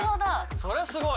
それはすごい。